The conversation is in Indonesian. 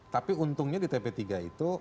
tapi untungnya di tp tiga itu